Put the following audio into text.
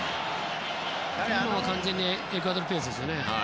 今は完全にエクアドルペースですよね。